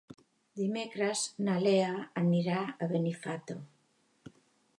Dimecres na Lea anirà a Benifato.